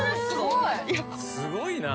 すごいな。